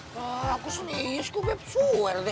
kak aku senis kok beb suer deh